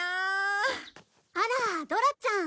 あらドラちゃん。